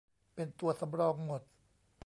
เป็นตัวสำรองหมด